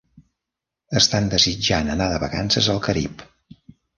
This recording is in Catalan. Estan desitjant anar de vacances al Carib.